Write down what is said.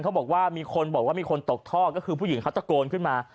เขาบอกว่ามีคนบอกว่ามีคนตกท่อก็คือผู้หญิงเขาตะโกนขึ้นมา